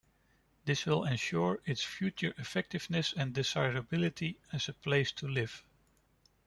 This will ensure its future effectiveness and desirability as a place to live.